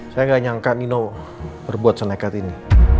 saya gak nyangka nino berbuat senekat ini